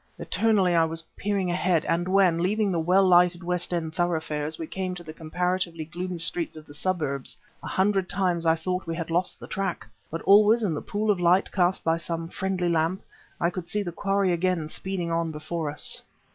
Eternally I was peering ahead; and when, leaving the well lighted West End thoroughfares, we came to the comparatively gloomy streets of the suburbs, a hundred times I thought we had lost the track. But always in the pool of light cast by some friendly lamp, I would see the quarry again speeding on before us.